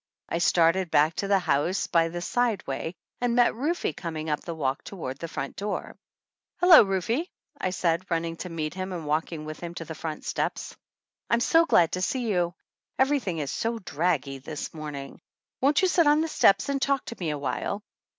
I started back to the house by the side way, and met Rufe coming up the walk toward the front door. "Hello, Rufe," I said, running to meet him and walking with him to the front steps. "I'm 16 THE ANNALS OF ANN so glad to see you. Everything is so draggy this morning. Won't you sit on the steps and talk to me a while?